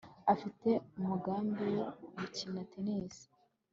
afite umugambi wo gukina tennis